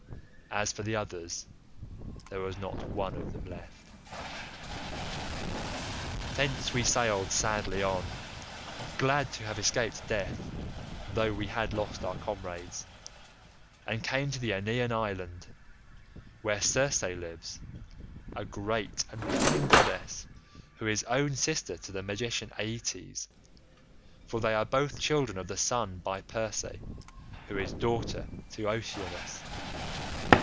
As for the others there was not one of them left. "Thence we sailed sadly on, glad to have escaped death, though we had lost our comrades, and came to the Aeaean island, where Circe lives—a great and cunning goddess who is own sister to the magician Aeetes—for they are both children of the sun by Perse, who is daughter to Oceanus.